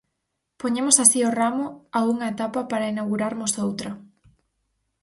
Poñemos así o ramo a unha etapa para inaugurarmos outra.